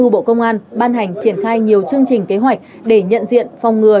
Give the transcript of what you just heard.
bộ công an ban hành triển khai nhiều chương trình kế hoạch để nhận diện phòng ngừa